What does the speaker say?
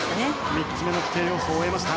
３つ目の規定要素を終えました。